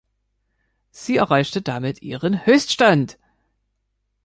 Sie erreichte damit ihren Höchststand.